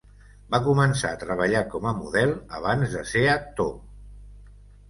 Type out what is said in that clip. Va començar a treballar com a model abans de ser actor.